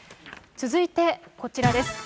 続いて、こちらです。